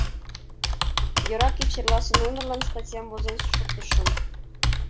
«Йӧра кеч эрласе номерлан статьям возен шуктышым.